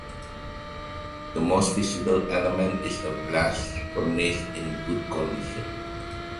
The most visible element is a blast furnace in good condition.